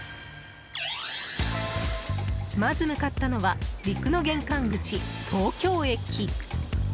まず向かったのは陸の玄関口、東京駅。